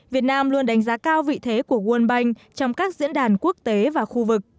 việt nam luôn đánh giá cao vị thế của world bank trong các diễn đàn quốc tế và khu vực